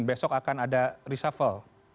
besok akan ada reshuffle